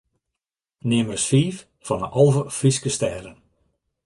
Neam ris fiif fan ’e alve Fryske stêden.